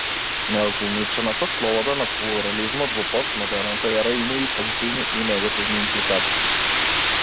Неограничената слобода на плурализмот во постмодерната ера има и позитивни и негативни импликации.